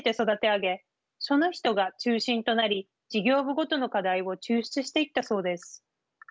その人が中心となり事業部ごとの課題を抽出していったそうです。